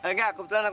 eh denken apa tuh kak